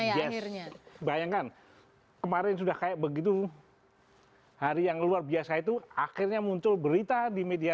jazz bayangkan kemarin sudah kayak begitu hari yang luar biasa itu akhirnya muncul berita di media